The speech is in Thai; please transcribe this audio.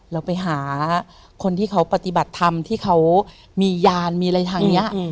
เราไปหาคนที่เขาปฏิบัติธรรมที่เขามียานมีอะไรทางนี้